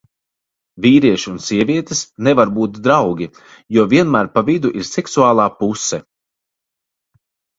Vīrieši un sievietes nevar būt draugi, jo vienmēr pa vidu ir seksuālā puse.